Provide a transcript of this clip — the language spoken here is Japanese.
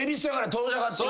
遠ざかってく。